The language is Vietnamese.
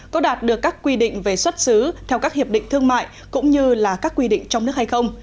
có đạt được các quy định về xuất xứ theo các hiệp định thương mại cũng như là các quy định trong nước hay không